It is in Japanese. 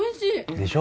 でしょ